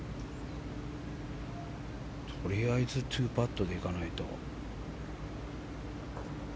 とりあえず２パットで行かないと。